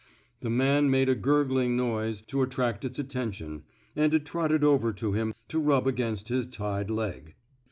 The man made a gurgling noise, to attract its attention, and it trotted over to him to rub against his tied leg.